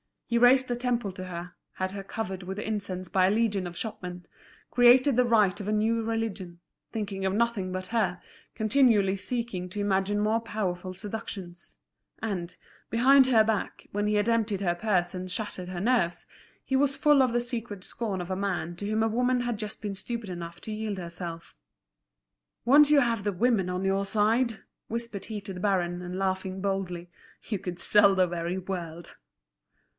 He raised a temple to her, had her covered with incense by a legion of shopmen, created the rite of a new religion, thinking of nothing but her, continually seeking to imagine more powerful seductions; and, behind her back, when he had emptied her purse and shattered her nerves, he was full of the secret scorn of a man to whom a woman had just been stupid enough to yield herself. "Once have the women on your side," whispered he to the baron, and laughing boldly, "you could sell the very world."